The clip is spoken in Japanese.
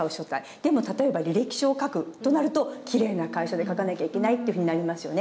でも例えば履歴書を書くとなるときれいな楷書で書かなきゃいけないっていうふうになりますよね。